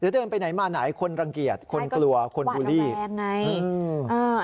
เดินไปไหนมาไหนคนรังเกียจคนกลัวคนบูลลี่ใช่ก็กว่าแล้วแรงไง